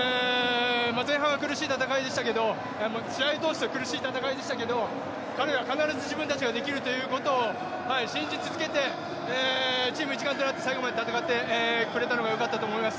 前半は苦しい戦いでしたけど試合通して苦しい戦いでしたけど、彼ら、必ず自分たちはできるということを信じ続けてチーム一丸となって最後まで戦ってくれたのがよかったと思います。